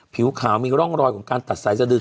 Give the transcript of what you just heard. ผิวขาวมีร่องรอยของการตัดสายสะดือ